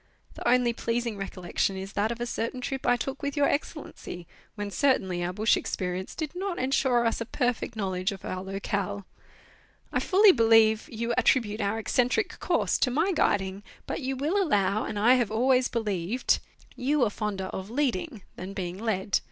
The only pleasing recollection is that of a certain trip I took with Your Excellency, when certainly our bush experience did not ensure us a perfect knowledge of our locale. I fully believe you attribute our eccentric course to my guiding, but you will allow, and I have always believed, you are 250 Letters from Victorian Pioneers. fonder of leading than being led.